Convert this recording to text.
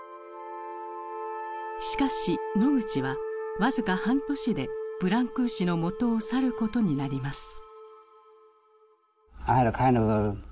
しかしノグチは僅か半年でブランクーシのもとを去ることになります。